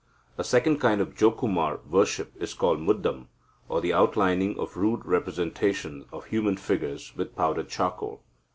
A second kind of Jokumara worship is called muddam, or the outlining of rude representations of human figures with powdered charcoal.